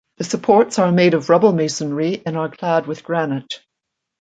The supports are made of rubble masonry and are clad with granite.